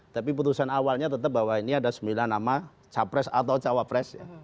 tapi putusan awalnya tetap bahwa ini ada sembilan nama capres atau cawapres ya